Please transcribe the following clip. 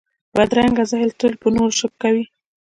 بدرنګه ذهن تل پر نورو شک کوي